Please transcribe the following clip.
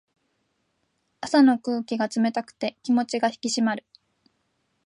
朝の空気が冷たくて気持ちが引き締まる。